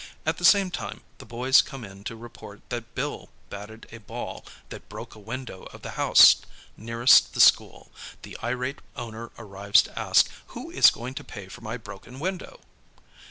At the same time the boys come in to report that Bill batted a ball that broke a window of the house nearest the school, the irate owner arrives to ask, "Who is going to pay for my broken window?"